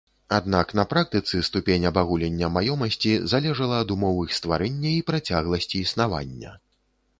Аднак на практыцы ступень абагулення маёмасці залежала ад умоў іх стварэння і працягласці існавання.